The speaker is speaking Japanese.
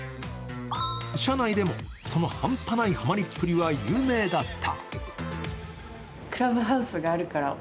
社内でもその半端ないハマりっぷりは有名だった。